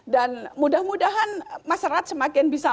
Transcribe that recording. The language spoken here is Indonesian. dan mudah mudahan masyarakat semakin berkembang